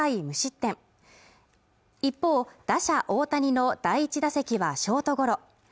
無失点一方打者大谷の第１打席はショートゴロ